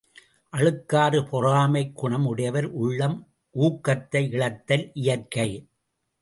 அழுக்காறு பொறாமைக் குணம் உடையவர் உள்ளம் ஊக்கத்தை இழத்தல் இயற்கை.